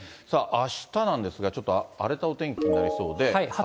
あしたなんですが、ちょっと荒れたお天気になりそうで。